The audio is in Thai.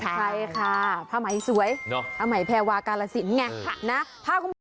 ใช่ค่ะผ้าหมายสวยผ้าหมายแพรวากาลสินไงค่ะ